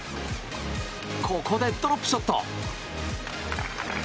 ここでドロップショット！